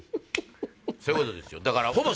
そういうことですよ。